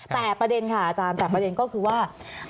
แต่ประเด็นค่ะอาจารย์แต่ประเด็นก็คือว่า